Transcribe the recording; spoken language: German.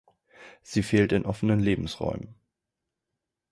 Sie fehlt in offenen Lebensräumen.